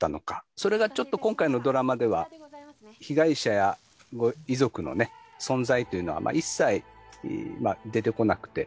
それがちょっと今回のドラマでは被害者やご遺族の存在というのは一切出てこなくて。